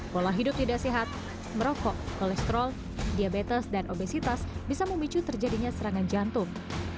pola hidup tidak sehat merokok kolesterol diabetes dan obesitas bisa memicu terjadinya serangan jantung